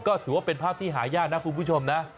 ก็ถือว่าเป็นภาพที่หายากนะคุณผู้ชมนะ